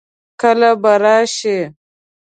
کله به راشي؟